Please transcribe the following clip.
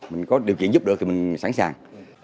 mình có điều kiện giúp đỡ thì mình sẵn sàng